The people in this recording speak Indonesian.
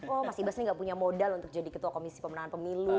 oh mas ibas ini gak punya modal untuk jadi ketua komisi pemenangan pemilu